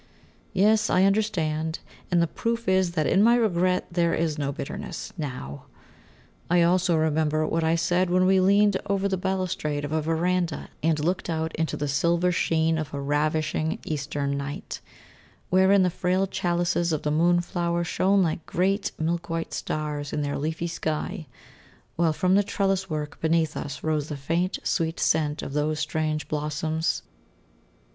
Yes, I understand; and the proof is, that in my regret there is no bitterness now. I also remember what I said when we leant over the balustrade of a verandah and looked out into the silver sheen of a ravishing Eastern night, wherein the frail chalices of the moonflower shone like great, milk white stars in their leafy sky, while from the trellis work beneath us rose the faint, sweet scent of those strange blossoms.